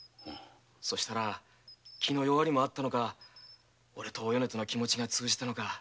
そしたら気の弱りもあったのか二人の気持ちが通じたのか。